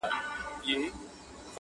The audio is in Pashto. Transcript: ای د اسلام لباس کي پټ یهوده,